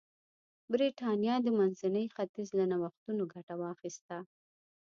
برېټانیا د منځني ختیځ له نوښتونو ګټه واخیسته.